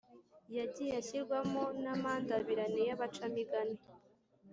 yagiye ashyirwamo n’amandabirane y’abaca-migani.